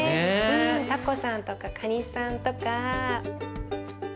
たこさんとかかにさんとか。